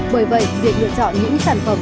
bởi vậy việc lựa chọn những sản phẩm